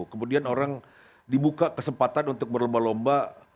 kemudian orang dibuka kesempatan untuk berlomba lomba